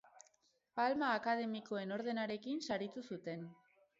Palma Akademikoen Ordenarekin saritu zuten.